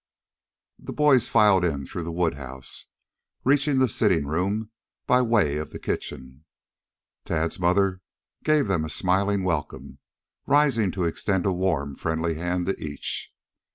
The boys filed in through the wood house, reaching the sitting room by way of the kitchen. Tad's mother gave them a smiling welcome, rising to extend a warm, friendly hand to each.